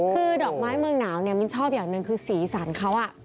คือดอกไม้เมืองหนาวเนี่ยมินชอบอย่างหนึ่งคือสีสันเขา